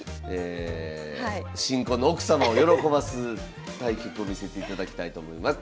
新婚の奥様を喜ばす対局を見せていただきたいと思います。